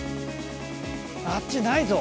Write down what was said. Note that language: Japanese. あっちないぞ。